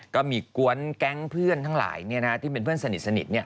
ก็มีกวนแก๊งเพื่อนทั้งหลายที่เป็นเพื่อนสนิท